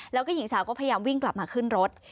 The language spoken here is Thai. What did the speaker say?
แล้วก็หญิงสาวก็พยายามวิ่งกลับมาขึ้นรถ